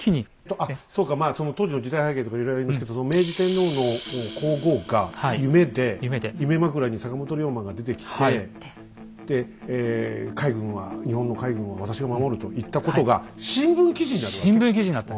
ああそうかその当時の時代背景とかいろいろありますけど明治天皇の皇后が夢で夢枕に坂本龍馬が出てきてで海軍は日本の海軍は私が守ると言ったことが新聞記事になるわけ？